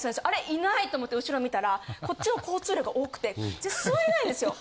いないと思って後ろ見たらこっちの交通量が多くて座れないんですよ。